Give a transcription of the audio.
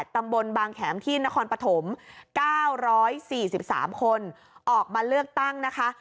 ตำบลบางแขมที่นครปฐม๙๔๓คนออกมาเลือกตั้งนะคะ